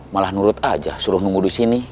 malah nurut aja suruh nunggu di sini